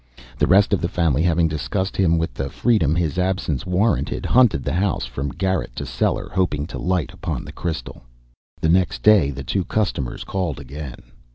The rest of the family, having discussed him with the freedom his absence warranted, hunted the house from garret to cellar, hoping to light upon the crystal. The next day the two customers called again.